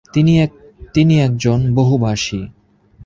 তিনি একজন বহুভাষি।